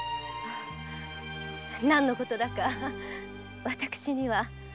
何の事だか私には。